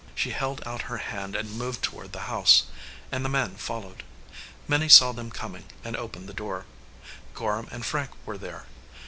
She held out her hand and moved toward the house, and the man followed. Minnie saw them coming and opened the door. Gorham and Frank were there.